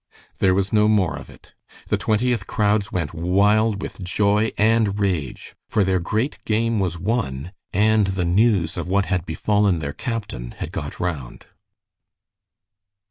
There was no more of it. The Twentieth crowds went wild with joy and rage, for their great game was won, and the news of what had befallen their captain had got round.